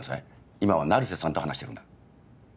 今は成瀬さんと話してるんだ